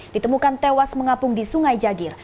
ditemukan tewas mengapung di sungai jagir